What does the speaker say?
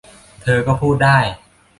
เธอก็พูดได้